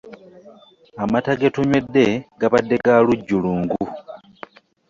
Amata ge tunywedde gabadde ga lujjulungu.